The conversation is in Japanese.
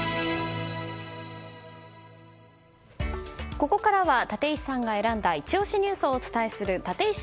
ここからは立石さんが選んだイチ推しニュースをお伝えする